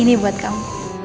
ini buat kamu